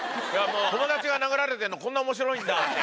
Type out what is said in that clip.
友達が殴られてるのこんな面白いんだって。